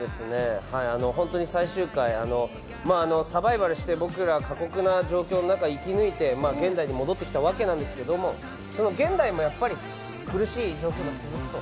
本当に最終回、サバイバルして僕ら、過酷な状況の中で生き抜いて現代に戻ってきたわけなんですけれどもその現代も苦しい状況が続くと。